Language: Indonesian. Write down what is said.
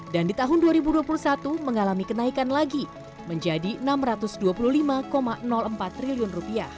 dan di tahun dua ribu dua puluh satu mengalami kenaikan lagi menjadi rp enam ratus dua puluh lima empat triliun